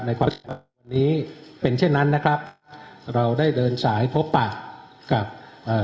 วันนี้เป็นเช่นนั้นนะครับเราได้เดินสายพบปะกับเอ่อ